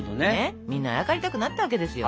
みんなあやかりたくなったわけですよ。